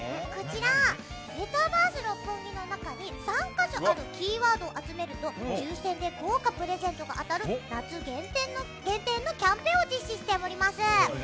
メタバース六本木の中に３か所あるキーワードを集めると抽選で豪華プレゼントが当たる夏限定のキャンペーンを実施中です。